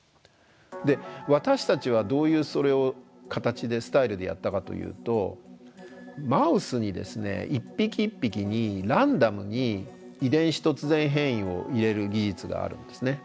私たちはどういうそれを形でスタイルでやったかというとマウスにですね一匹一匹にランダムに遺伝子突然変異を入れる技術があるんですね。